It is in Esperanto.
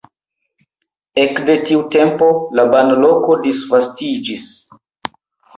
Ekde tiu tempo la banloko disvastiĝis.